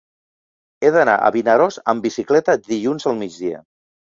He d'anar a Vinaròs amb bicicleta dilluns al migdia.